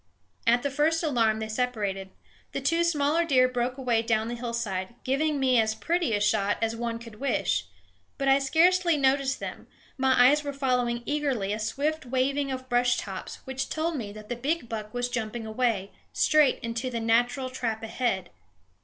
At the first alarm they separated; the two smaller deer broke away down the hillside, giving me as pretty a shot as one could wish. But I scarcely noticed them; my eyes were following eagerly a swift waving of brush tops, which told me that the big buck was jumping away, straight into the natural trap ahead.